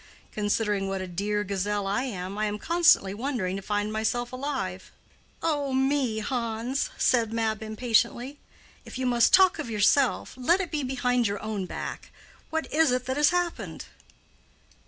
Considering what a dear gazelle I am, I am constantly wondering to find myself alive." "Oh me, Hans!" said Mab, impatiently, "if you must talk of yourself, let it be behind your own back. What is it that has happened?"